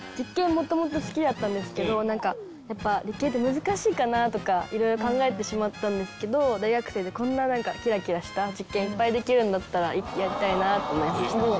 元々好きだったんですけど何かやっぱ理系って難しいかなとか色々考えてしまったんですけど大学生でこんな何かキラキラした実験いっぱいできるんだったらやりたいなと思いました